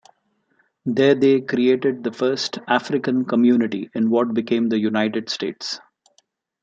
There they created the first African community in what became the United States.